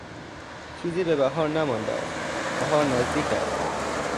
چیزی به بهار نمانده است، بهار نزدیک است.